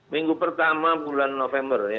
minggu pertama bulan november